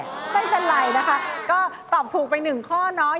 ไม่เป็นไรนะคะก็ตอบถูกไป๑ข้อน้อย